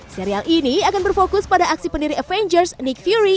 serial ini akan berfokus pada aksi pendiri avengers nick fury